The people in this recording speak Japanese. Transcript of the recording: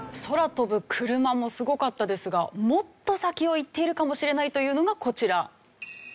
空飛ぶ車もすごかったですがもっと先を行っているかもしれないというのがこちら。